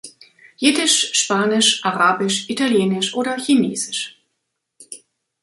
Jiddisch, Spanisch, Arabisch, Italienisch oder Chinesisch.